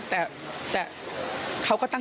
ปี๖๕วันเช่นเดียวกัน